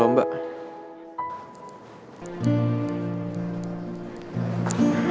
lomba yang dikirim lomba